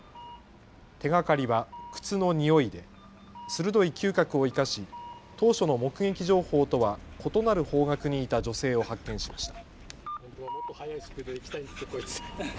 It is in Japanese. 手がかりは靴のにおいで鋭い嗅覚を生かし当初の目撃情報とは異なる方角にいた女性を発見しました。